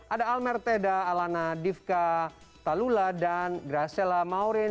ada almer teda alana divka talula dan graciela maurin